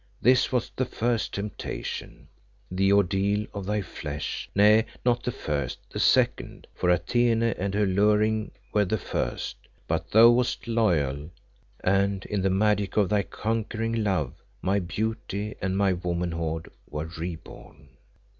This was the first temptation, the ordeal of thy flesh nay, not the first the second, for Atene and her lurings were the first. But thou wast loyal, and in the magic of thy conquering love my beauty and my womanhood were re born.